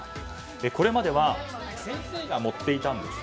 これまでは先生が盛っていたんです。